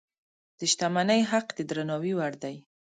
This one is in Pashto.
د شتمنۍ حق د درناوي وړ دی.